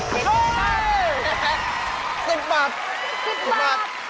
๑๐บาท